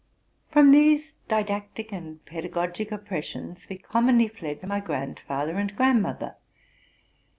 From these didactic and pedagogic oppressions, we com monly fled to my grandfather and grandmother.